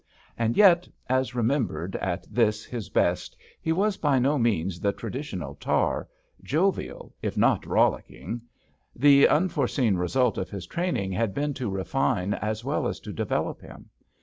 And yet, as remembered at this, his best, he was by no means the traditional tar, jovial if not rollicking. The unforeseen result of his training had been to refine as well as to develop him.